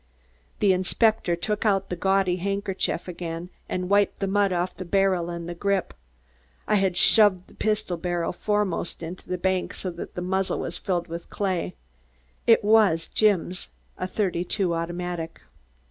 The inspector took out the gaudy handkerchief again and wiped the mud off the barrel and the grip. I had shoved the pistol barrel foremost into the bank so the muzzle was filled with clay. It was Jim's a "32" automatic.